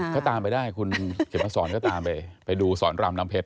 ถ้าตามไปได้คุณเขียนมาสอนก็ตามไปไปดูสอนรามน้ำเพชร